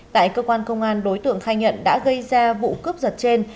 tại cơ quan công an đối tượng khai nhận đã gây ra vụ cướp giật trên